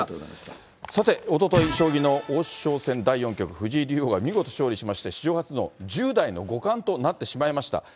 さて、おととい将棋の王将戦第４局、藤井竜王が見事勝利しまして、史上初の１０代の五冠となってしまいました。